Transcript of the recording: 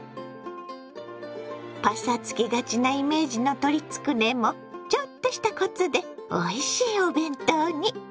パサつきがちなイメージの鶏つくねもちょっとしたコツでおいしいお弁当に。